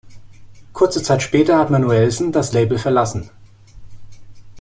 Kurze Zeit später hat Manuellsen das Label verlassen.